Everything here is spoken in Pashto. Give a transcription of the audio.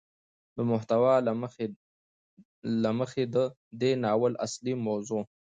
د محتوا له مخې ده دې ناول اصلي موضوع